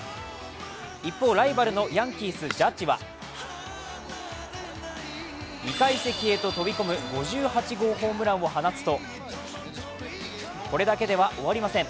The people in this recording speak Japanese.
一方、ライバルのヤンキース・ジャッジは２階席へと飛び込む５８号ホームランを放つとこれだけでは終わりません。